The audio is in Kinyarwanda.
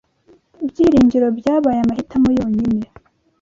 Byiringiro byabaye amahitamo yonyine